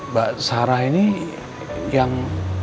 mbak sarah ini yang